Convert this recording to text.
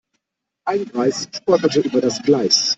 Ein Greis stolperte über das Gleis.